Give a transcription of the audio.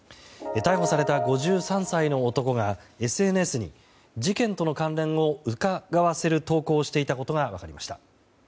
逮捕された５３歳の男がＳＮＳに事件との関連をうかがわせる投稿をしていたことが分かりました。